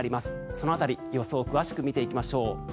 その辺り予想を詳しく見ていきましょう。